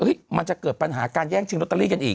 มันจะเกิดปัญหาการแย่งชิงลอตเตอรี่กันอีก